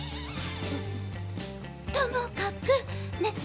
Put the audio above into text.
ともかくねっ？